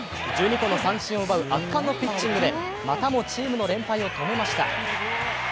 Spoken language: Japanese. １２個の三振を奪う圧巻のピッチングでまたもチームの連敗を止めました。